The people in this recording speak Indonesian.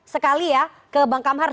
sekali ya ke bang kamhar